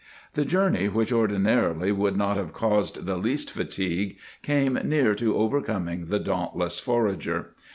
The journey, which ordinarily would not have caused the least fatigue, came near to overcoming the dauntless forager.